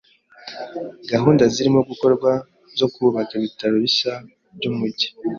Gahunda zirimo gukorwa zo kubaka ibitaro bishya byumujyi.